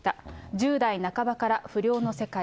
１０代半ばから不良の世界。